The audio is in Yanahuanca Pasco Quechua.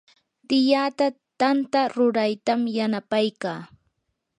tiyaata tanta ruraytam yanapaykaa.